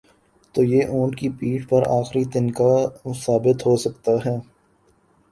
تو یہ اونٹ کی پیٹھ پر آخری تنکا ثابت ہو سکتا ہے۔